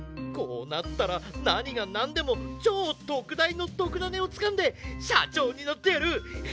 こうなったらなにがなんでもちょうとくだいのとくダネをつかんでシャチョーになってやる。